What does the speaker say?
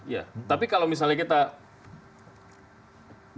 ya tapi kalau misalnya kita